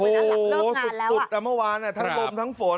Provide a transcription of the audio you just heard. โอ้โฮตกจากเมื่อวานน่ะทั้งลมทั้งฝน